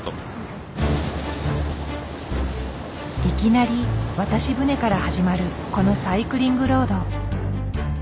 いきなり渡し船から始まるこのサイクリングロード。